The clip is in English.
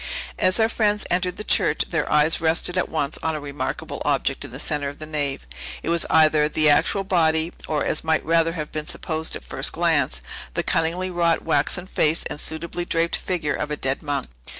As our friends entered the church, their eyes rested at once on a remarkable object in the centre of the nave. It was either the actual body, or, as might rather have been supposed at first glance, the cunningly wrought waxen face and suitably draped figure of a dead monk.